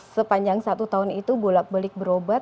sepanjang satu tahun itu bolak balik berobat